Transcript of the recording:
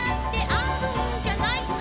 「あるんじゃない」